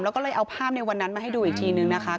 แล้วก็เลยเอาภาพในวันนั้นมาให้ดูอีกทีนึงนะคะ